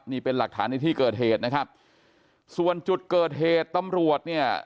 นี่เป็นหลักฐานในที่เกิดเหตุนะครับส่วนจุดเกิดเหตุตำรวจเนี่ย